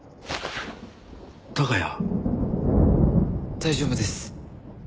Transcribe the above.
大丈夫です。